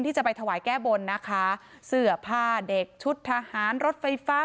จะไปถวายแก้บนนะคะเสื้อผ้าเด็กชุดทหารรถไฟฟ้า